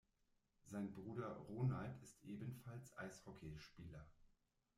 Sein Bruder Ronald ist ebenfalls Eishockeyspieler.